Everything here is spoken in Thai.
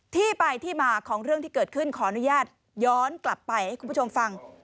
ที่ไปที่มาของเรื่องที่เกิดขึ้นขออนุญาตย้อนกลับไปให้คุณผู้ชมฟัง